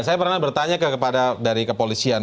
saya pernah bertanya kepada dari kepolisian